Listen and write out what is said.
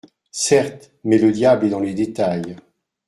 Certes, mais le diable est dans les détails.